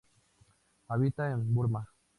Habita en Burma.